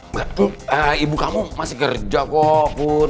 nggak ibu kamu masih kerja kok pun